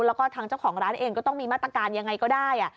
แล้วก็ทางเจ้าของร้านเองก็ต้องมีมาตรการยังไงก็ได้